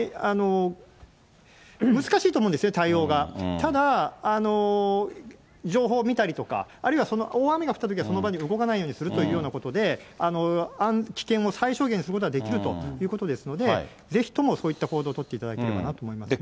ただ、情報を見たりとか、あるいはその大雨が降ったときはその場に動かないようにするということで、危険を最小限にすることはできるということですので、ぜひともそういった行動を取っていただければなと思いますね。